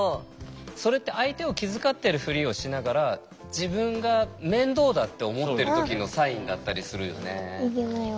それって相手を気遣ってるふりをしながら自分が面倒だって思ってる時のサインだったりするよね。